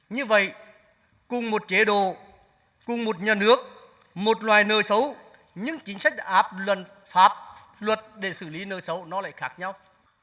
như vậy cùng một chế độ cùng một nhà nước một loài nợ xấu nhưng chính sách áp luật pháp luật để xử lý nợ xấu nó lại khác nhau